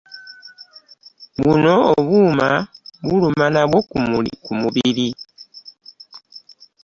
Buno obuuma buluma nabwo ku mubiri.